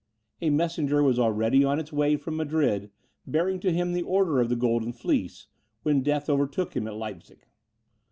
A messenger was already on his way from Madrid, bearing to him the order of the Golden Fleece, when death overtook him at Leipzig.